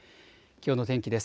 きょうの天気です。